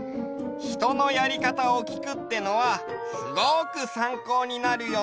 ひとのやりかたをきくってのはすごくさんこうになるよね！